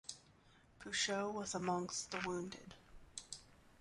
Pouchot was amongst the wounded.